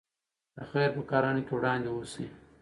د خیر په کارونو کې وړاندې اوسئ.